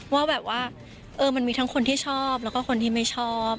ว่ามันมีคนที่ชอบแล้วคนที่ไม่ชอบ